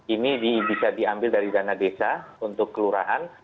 ini bisa diambil dari dana desa untuk kelurahan